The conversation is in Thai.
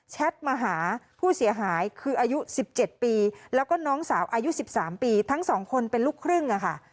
มาหาผู้เสียหายคืออายุ๑๗ปีแล้วก็น้องสาวอายุ๑๓ปีทั้งสองคนเป็นลูกครึ่งอะค่ะ